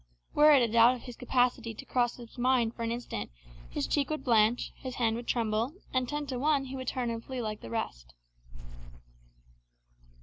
Were a doubt of his capacity to cross his mind for an instant, his cheek would blanch, his hand would tremble, and, ten to one, he would turn and flee like the rest.